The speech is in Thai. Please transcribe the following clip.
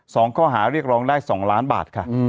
สองข้อหาเรียกร้องได้สองล้านบาทค่ะ